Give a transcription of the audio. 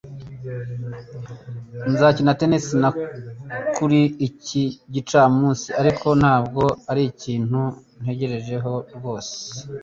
Nzakina tennis na kuri iki gicamunsi, ariko ntabwo arikintu ntegereje rwose.